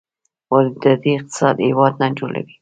وارداتي اقتصاد هېواد نه جوړوي.